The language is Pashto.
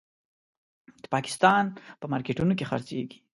د پاکستان په مارکېټونو کې خرڅېږي.